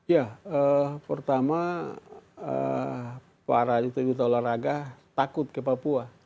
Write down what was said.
ya pertama para di tempat olahraga takut ke papua